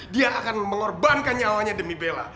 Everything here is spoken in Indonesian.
dia akan mengorbankan nyawanya demi bela